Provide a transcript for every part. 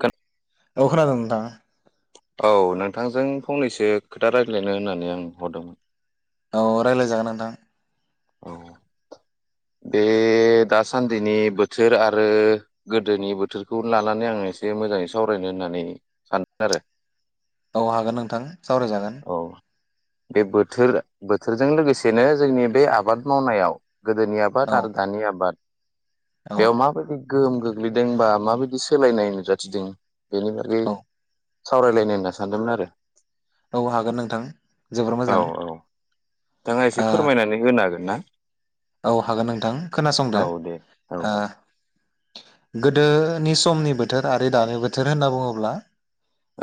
खोन [unintelligible] औ खोनादों नोंथां। औ नोंथांजों फंनैसो खोथा रायज्लायनो होननानै आं हरदोंमोन। औ रायलायजागोन नोंथां। औ बे दासान्दिनि बोथोर आरो गोदोनि बोथोरखौ लानानै आं एसे मोजाङै सावरायनो होननानै सानदों आरो। औ हागोन नोंथां सावरायजागोन। औ बे बोथोर बोथोरजों लोगोसेनो जोंनि बे आबाद मावनायाव गोदोनि औ बाद आरो दानि आबाद औ बेयाव मााबोरै गोहोम गोग्लैदोंबा माबायदि सोलायनाय नुजाथिदों? बेनि बागै औ सावरायलायनो होनना सानदोंमोन आरो। औ हागोन नोंथां जोबोर औ मोजां औ नोंथाङा एसे ओ फोरमायनानै होनो हागोन ना? औ हागोन नोंथां खोनासंदो। औ दे औ गोदोनि समनि बोथोर आरो दानि बोथोर होनना बुङोब्ला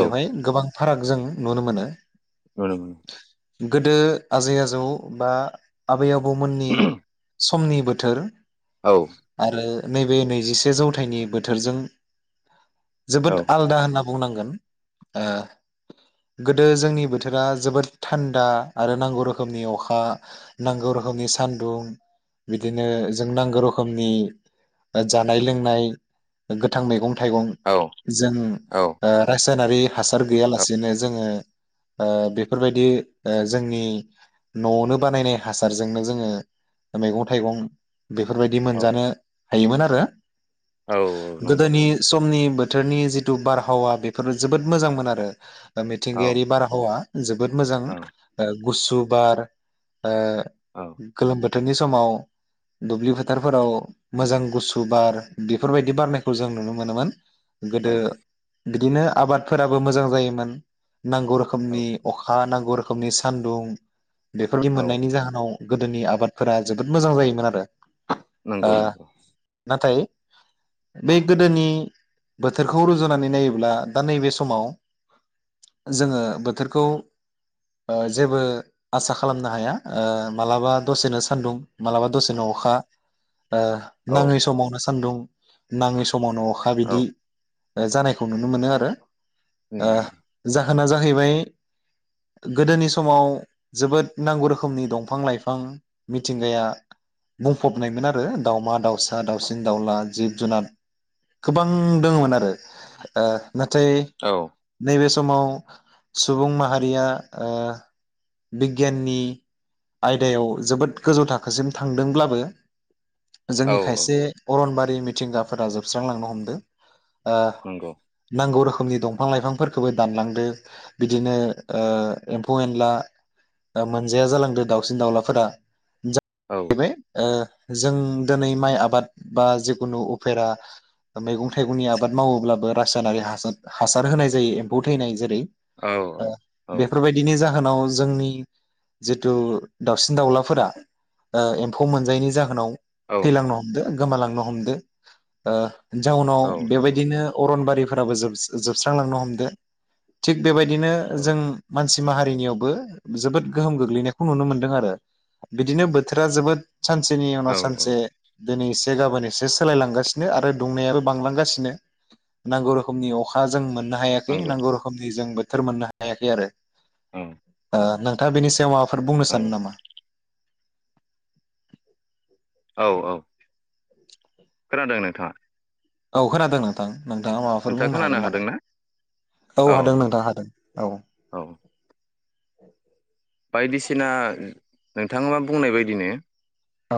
औ बेवहाय गोबां फाराग जों नुनो मोनो। [unintelligible] गोदो आजै आजौ बा आबै आबौमोननि समनि बोथोर औ आरो नैबे नैजिसे जौथाइनि बोथोरजों औ जोबोद आलदा होनना बुंनांगोन ओ गोदो जोंनि बोथोरा जोबोर थान्दा आरो नांगौ रोखोमनि अखा नांगौ रोखोमनि सान्दुं बिदिनो जों नांगौ रोखोमनि जानाय लोंनाय गोथां मैगं थाइगं जों औ ओ रासा रासायनारि हासार गैयालासेनो जोङो ओ बेफोरबायदि ओ जोंनि न'आवनो बानायनाय हासारजोंनो जोङो मैगं थाइगं बेफोरबायदि औ मोनजानो हायोमोन आरो औ नंगौ गोदोनि समनि बोथोरनि जिथु बारहावा बेफोरो जोबोद मोजांमोन आरो औ मिथिंगायारि बारहावा जोबोद मोजां ओ गुसुु बार ओ औ गोलोम बो बोथोरनि समाव दुब्लि फोथारफोराव मोजां गुसु बार बेफोरबायदि बारनायखौ जों नुनो मोनोमोन औ गोदो बिदिनो आबादफोराबो मोजां जायोमोन नांगौ औ रोखोमनि अखा नां गौ रोखोमनि सानदुं बेफोरनि औ मोननायनि जाहोनाव गोदोनि आबाद फोरा जोबोद मोजां जायोमोन आरो नोंगौ नोंगौ बै गोदोनि बोथोरखौ रुजुनानै नायोब्ला दा नै बे समाव जोङो बोथोरखौ ओ जेबो आसा खालामनो हाया ओ मालाबा दसेनो स सान्दुं मालाबा दसेनो अखा ओ औ नाङै समावनो सान्दुं नाङि स समावनो अखा औ बिदि जानायखौ नुनो मोनो आरो ओ उम जा जाहोना जाहैबाय गोदोनि समाव जोबोद नांगौ रोखोमनि दंफां लाइफां मिथिंगाया बुंफबनायमोन आरो दाउमा दाउसा दाउसिन दाउला जिब जुनार गोबां दोङमोन आरो ओ नाथाय औ नैबे स समाव सुबुं माहारिया ओ बिगियाननि आयदायाव जोबोद गोजौ थाखोसिम थांदोंब्लाबो औ जोंनि औ खायसे अरनबारि बै मिथिंगाफोरा जोबस्रांलांनो हमदों आ नंगौ नांगौ रोखोम रोखोमनि दंफां लाइफांफोरखौबो दानलांदो बिदिनो ओ एम्फौ एनला ओ मोनजाया जालांदो दाउसिन दाउलाफोरा औ [unintelligible] जों दोनै माइ आबाद बा जिखुनु उफेरा मैगं थाइगंनि आबाद मावोब्लाबो रासायनारि हासार हासार होनाय जायो एम्फौ थैनाय जेरै औ ओ औ बेफोरबायदिनो जा जाहोनाव जोंनि जिथु दाउसिन दाउलाफोरा ओ एम्फौ मोनजायैनि जाहोनाव औ थैलांनो हमदो गोमालांनो हमदो ओ जाउनाव औ नंगौ बेबायदिनो अरनबारि फोराबो जोब-जोबस्रांलांनो हमदो थिग बेबायदिनो औ जों मानसि माहारिनियावबो जोबोद गोहोम गोग्लैनायखौ नुनो मोनदों आरो बिदिनो बोथोरा जोबोद सानसेनि औ उनाव सानसे दिनै एसे गाबोन एसे सोलायलांगासिनो आरो दुंनायाबो बांलांगासिनो नांगौ रोखोमनि अखा जों मोन हायाखै नंगौ नांगौ रोखोमनि जोंबो बोथोर मोननो हायाखै आरो औ ओ नों थाङा बेनि सायावाव माबा फोर बुंनो सानो औ नामा औ औ खोनादों नोंथाङा औ खोनादों नोंथां नोंथाङा माबाफोर बुंनो खोनानो हागोन नामा हादोंना औ हादों नोंथाङा हादों औ [inaudible] बायदिसिना नोंथाङा मा बुंनाय बायदिनो औ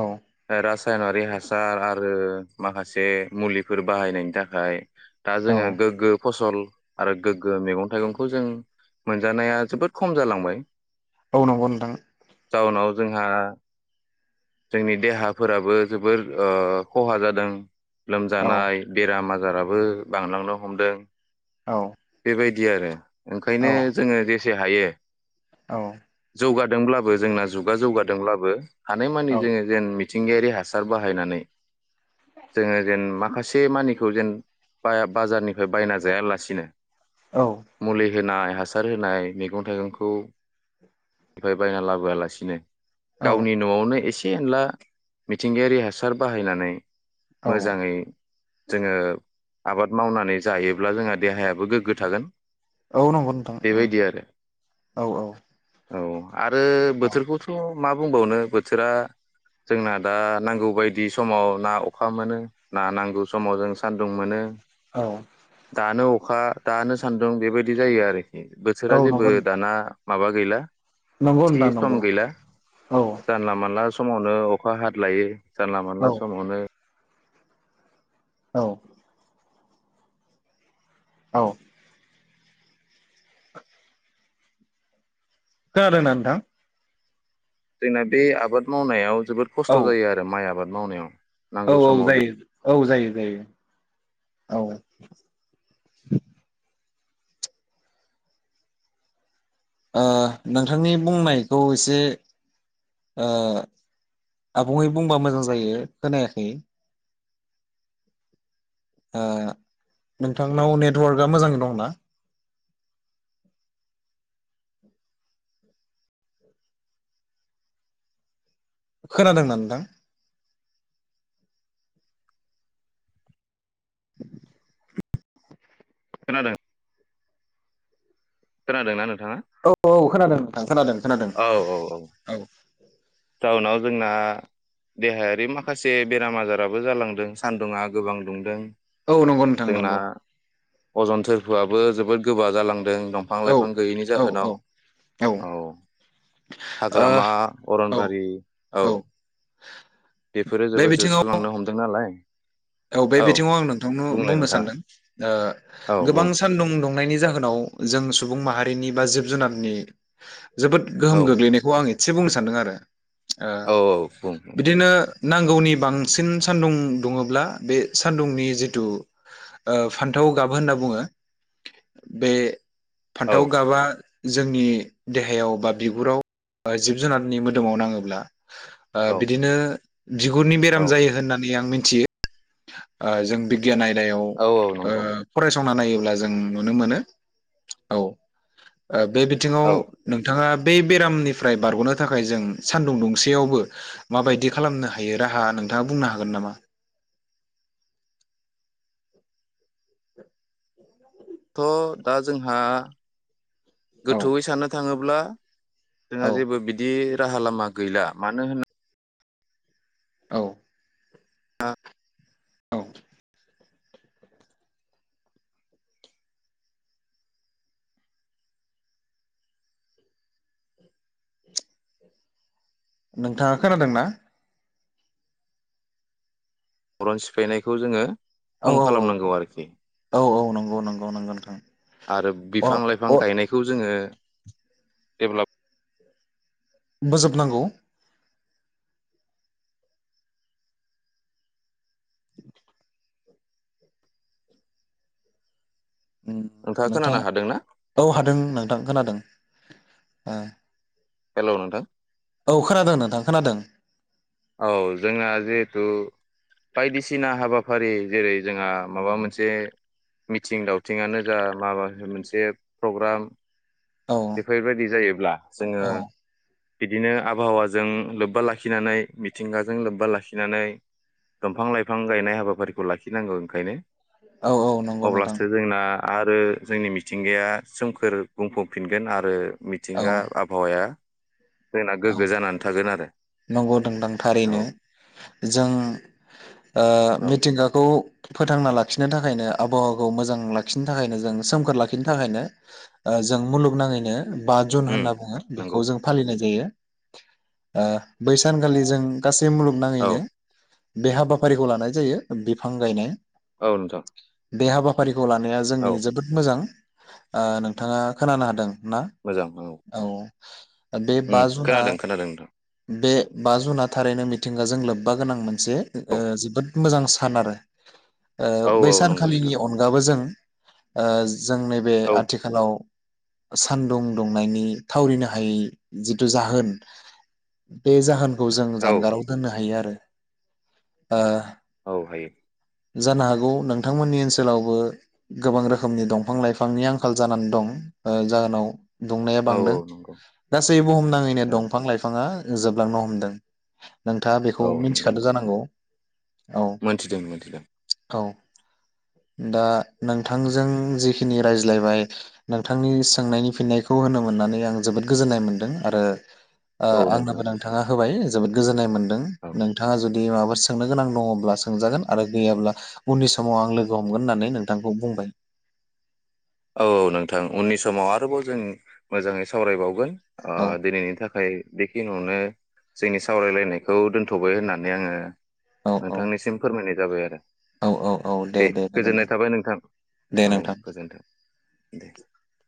राज रासायनारि हासार आरो माखासे मुलिफोर बाहायनायनि थाखाय दा औ जोङो गोग्गो फसल आरो गोग्गो मैगं थाइगंखौ जों मोनजानाया जोबोद खम जालांबाय औ नंगौ नोंथां जाउनाव जोंहा जोंनि देहाफोराबो जोबोर ओ खहा जादों औ लोमजानाय बेराम आज जाराबो बांलांनो हमदों औ बायदि आरो। औ ओंखायनो जोङो जे से हायो। औ जौगादोंब्लाबो जोंना जुगा जौगादोंब्लाबो हानाय मानि औ जोङो जेन थिंगायारि हासार बाहायनानै। जोङो जेन माखासे से मानिखौ जेन बया बाजारनिफ्राय बायना जायालासिनो औ दोनाय हासार होनाय मैगं थाइगंखौ फ्राय बायना लाबोआलासिनो गावनि नआवनो एसे ए एनला मिथिंगायारि हासार बाहायनानै मोजाङै जोङो आबाद मावनानै जायोब्ला जोंहा देहायाबो गोग्गो थागोन। औ नंगौ नोंथां बेबायदि आरो औ औ। औ आरो बोथोरखौथ मा बुंबावनो बोथोरा जोंना दा नांगौ बायदि समाव ना अखा मोनो ना नांगौ समाव जों सान्दुं मोनो। औ दानो औ अखा दानो सान्दुं बेबायदि जायो आरो। औ बोथोरा जेबो नंगौ दाना माबा गैला नंगौ थि नोंथां सम नंगौ गैला औ जानला मानला स समावनो अखा हाद्लायो जानला औ मोनला समावनो औ औ खोनादों ना नोंथां? जोंना बे आबाद मावनायाव जोबोद औ खस्थ जायो आरो माइ आबाद मावनायाव औ नांगौ औ समाव दै जायो औ जायो जायो औ ओ नोंथांनि बुंनायखौ एसे ओ आबुङै बुंबा मोजां जायो खोनायाखै ओ नोंथांनाव नेटवार्कआ मोजाङै दंना खोनादों ना नोंथां [inaudible] खोनादों खोनादों ना नों औ औ खोनादों नोंथां खोनादों खोनादों औ टाउनाव जोंना देहायारि माखासे बेराम आजाराबो जालांदों सान्दुङा गोबां दुंदों औ नंगौ नोंथां जोंना नंगौ अजन थोरफोआबो जोबोद गोबा जालां दों दंफां औ लाइफां गैयैनि औ जाहोनाव औ हाग्रामा अरन औ बेफारि औ बेफोरो बे जोबोद बिथिङाव जोस्लुलांनो हमदों दों नालाय औ बे बिथिङाव आं नोंथांनो बुंलाय बुंनो नोंथाङा सानदों ओ औ गोबां बुं सानदुं दुंनायनि जा जाहोनाव जों सुबुं माहारिनि बा जिब जुनारनि जोबोद गोहोम औ गोग्लैनायखौ आं एसे बुंनो सानदों आरो ओ औ औ बुं नोंथां बिदिनो नांगौनि बांसिन सान्दुं दुङोब्ला बे सान्दुंनि जिथु ओ फान्थाव गाब होनना बुङो बे औ फान्थाव गाबआ जोंनि देहायाव बा बिगुराव बा जिब जुनारनि मोदोमाव नाङोब्ला ओ औ बिदिनो बिगुरनि औ बेराम जायो होननानै आं मिन थियो ओ जों बिगियान आय याव औ ओ नंगौ फराय संना नायोब्ला जों नुनो मोनो औ ओ बे बिथिङाव औ नोंथाङा बे बेरामनिफ्राय बारगनो थाखाय जों सानदुं दुंसेयावबो माबायदि खालामनो हायो राहा नोंथाङा बुंनो हागोन नामा? थ दा जोंहा औ गोथौयै साननो थाङोब्ला जोंहा औ जेबो बिदि राहा लामा गैला मानो होन औ औ नोंथाङा खोनादों ना? अरन सिफायनायखौ जोङो औ खम औ खालामनांगौ औ आरोखि। औ औ नंगौ नंगौ नंगौ नोंथां। आरो अ बिफां लाइफां अ गायनायखौ जोङो देबलब बोजोबनांगौ नोंथाङा खोनानो नोंथांआ हादोंना औ हादों नोंथां खोनादों। आ हेलौ नोथां औ खोनादों नोंथां खोनादों। औ जोंना जिहेथु बायदिसिना हाबाफारि जेरै जोंहा माबा मोनसे मिथिं दावथिङानो जा माबा मोनसे प्रग्राम औ बेफोरबायदि जायोब्ला जोङो औ बिदिनो आबहावाजों लोब्बा लाखिनानै मिथिंगाजों लोब्बा लाखिनानै दंफां लाइफां गायनाय हाबाफारिखौ लाखिनांगौ ओंखायनो। औ औ नंगौ नोंथां। अब्लासो जोंना आरो जोंनि मिथिंगाया सोमखोर बुंफबफिनगोन आरो औ मिथिंगा आबहावाया जोंना औ गोग्गो जानानै थागोन आरो। नंगौ [unintelligible] औ थारैनो जों ओ औ मिथिंगाखौ फोथांना लाखिनो थाखायनो आबहावाखौ मोजां लाखिनो थाखायनो जों सोमखोर लाखिनो थाखायनो ओ जों मुलुगनाङैनो बा झुन उम होनना बुङो बेखौ नंगौ जों फालिनाय जायो। ओ बैसानखालि जों गासै बे औ मुलुगनाङैनो बे हाबाफारिखौ लानाय जायो बिफां गायनाय। औ नोंथां। बे हाबाफारि खौ लानाया औ जोंनि जोबोद मोजां। ओ नोंथाङा खोनानो हादों। ना? मोजां औ ओ बे बा उम जुना खोनादों खोनादों नोंथां बे बा जुना थारैनो मिथिंगाजों लोब्बा गोनांमोन। मोनसे ओ औ जिबोद मोजां सान आरो। ओ औ बै औ नंगौ सानखालिनि नोंथां अनगाबो जों ओ जों नैबे औ आथिखालाव सानदुं दुंनायनि थावरिनो हायै जिथु जाहोन बे जाहोन खौ जों औ जानगाराव दोननो हायो आरो। ओ [unintelligible] हायो जानो हागौ नोंथांमोननि ओनसोलावबो गोबां रोखोमनि दंफां लाइफांनि आंखाल जानानै दं ओ जाहोनाव दुंनाया औ बांदों औ नंगौ गासै बुहुमनाङैनो औ दंफां लाइफाङा जोबलांनो हमदों। नोंथाङा बेखौ औ नंगौ मिथिखादो नोंथां जानांगौ। औ मोनथिदों मोनथिदों। दा नोंथांजों जिखिनि रायज्लायबाय नोंथांनि सोंनायनि फिननायखौ होनो मोननानै आं जोबोद गोजोननाय मोन्दों। आरो ओ औ नोंथां आंनोबो नोंथाङा होबाय जोबोद गोजोननाय मोन दों औ नोंथाङा जु दि माबाफोर सोंनो गोनां दङब्ला सोंजागोन आरो गैयाब्ला उननि समाव आं लोगो हमगोन होननानै नोंथांखौ बुंबाय। औ औ नोंथां उननि समाव आरोबाव जों मोजाङै सावरायबावगोन। अ औ दिनैनि थाखाय बेखिनियावनो जोंनि सावरायलायनायखौ दोनथबाय होननानै आङो औ औ नोंथांनिसिम फोरमायनाय जाबाय आरो। औ औ औ दे दे गोजोननाय गोजोनथों थाबाय नोंथां। [unintelligible]